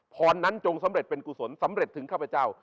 พรนั้นจงสำเร็จเป็นกุศลสำเร็จถึงข้าพเจ้า